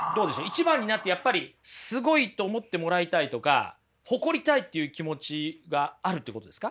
一番になってやっぱりすごいと思ってもらいたいとか誇りたいっていう気持ちがあるってことですか？